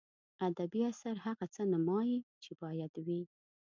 ادبي اثر هغه څه نمایي چې باید وي.